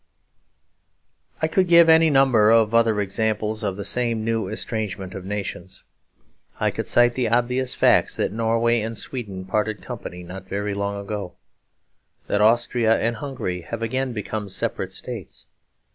I could give any number of other examples of the same new estrangement of nations. I could cite the obvious facts that Norway and Sweden parted company not very long ago, that Austria and Hungary have again become separate states.